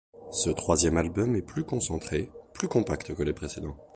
Ce troisième album est plus concentré, plus compact que les précédents.